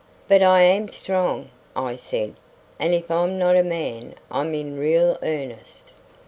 "But I am strong," I said; "and if I'm not a man I'm in real earnest."